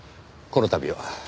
この度は。